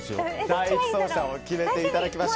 第１走者を決めていただきましょう。